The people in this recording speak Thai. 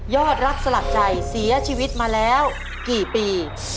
อดรักสลักใจเสียชีวิตมาแล้วกี่ปี